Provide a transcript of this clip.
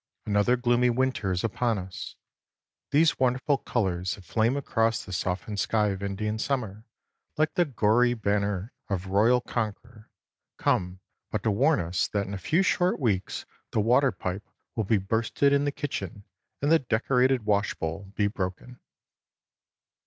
Another gloomy winter is upon us. These wonderful colors that flame across the softened sky of Indian summer like the gory banner of royal conqueror, come but to warn us that in a few short weeks the water pipe will be bursted in the kitchen and the decorated washbowl be broken.